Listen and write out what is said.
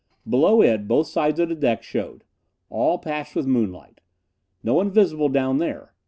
Below it, both sides of the deck showed. All patched with moonlight. No one visible down there.